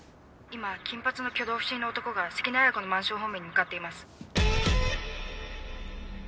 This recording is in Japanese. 今金髪の挙動不審な男が関根綾子のマンション方面に向かっています。